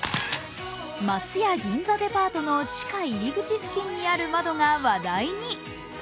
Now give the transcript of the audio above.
松屋銀座デパートの地下入り口付近にある窓が話題に。